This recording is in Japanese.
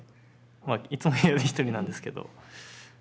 まあいつも部屋で１人なんですけど。